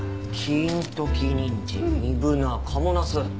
金時にんじんみぶな賀茂なす。